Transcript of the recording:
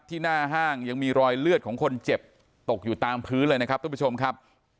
หน้าห้างยังมีรอยเลือดของคนเจ็บตกอยู่ตามพื้นเลยนะครับทุกผู้ชมครับ